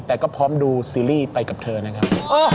แต่ก็พร้อมดูซีรีส์ไปกับเธอนะครับ